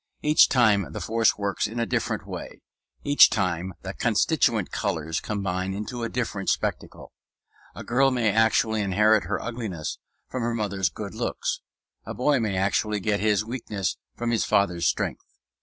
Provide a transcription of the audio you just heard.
Each time the force works in a different way; each time the constituent colors combine into a different spectacle. A girl may actually inherit her ugliness from her mother's good looks. A boy may actually get his weakness from his father's strength.